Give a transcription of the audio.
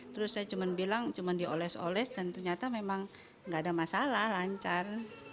terus saya cuma bilang cuma dioles oles dan ternyata memang nggak ada masalah lancar